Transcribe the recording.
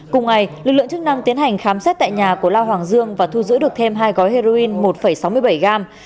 cùng ngày lực lượng chức năng tiến hành khám xét tại nhà của la hoàng dương và thu giữ được thêm hai gói heroin một sáu mươi bảy gram